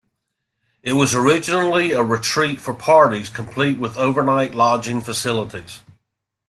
It was originally a retreat for parties, complete with overnight lodging facilities.